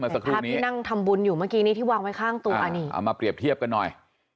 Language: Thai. วางไว้ข้างตัวอันนี้เอามาเปรียบเทียบกันหน่อย